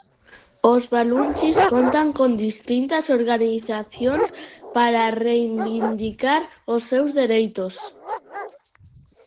Os baluchis contan con distintas organizacións para reivindicar os seus dereitos.